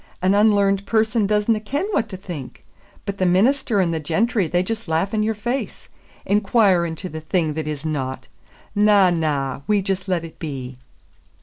An unlearned person doesna ken what to think. But the minister and the gentry they just laugh in your face. Inquire into the thing that is not! Na, na, we just let it be."